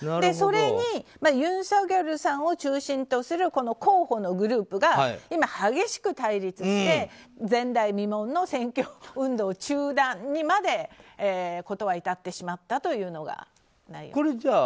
それにユン・ソギョルさんを中心とする候補のグループが今激しく対立して前代未聞の選挙運動中断にまで事は至ってしまったというのが内容です。